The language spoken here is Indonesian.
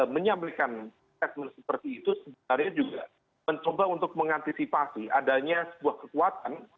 menyampaikan statement seperti itu sebenarnya juga mencoba untuk mengantisipasi adanya sebuah kekuatan